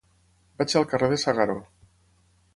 Vaig al carrer de S'Agaró.